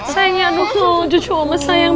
sayang ya aduh noh jujur omes sayang